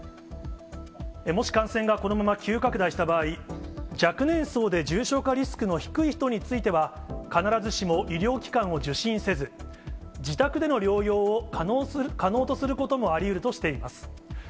もし感染がこのまま急拡大した場合、若年層で重症化リスクの低い人については、必ずしも医療機関を受診せず、自宅での療養を可能とすることもありうるとしています。